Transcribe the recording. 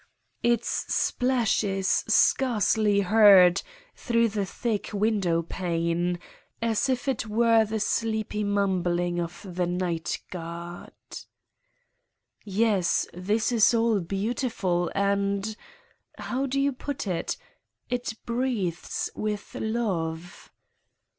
Its splash is scarcely heard through the thick window pane as if it were the sleepy mumbling of the night guard. Yes, this is all beautiful and ... how do you put it? it breathes with love.